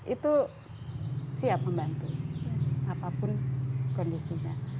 itu siap membantu apapun kondisinya